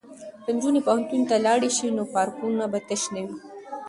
که نجونې پوهنتون ته لاړې شي نو پارکونه به تش نه وي.